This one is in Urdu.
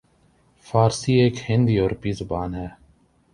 فارسی ایک ہند یورپی زبان ہے